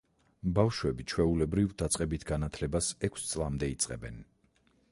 ბავშვები, ჩვეულებრივ, დაწყებით განათლებას ექვს წლამდე იწყებენ.